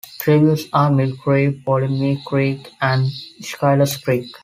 Tributes are Millcreek, Polemic Creek, and Skyles creek.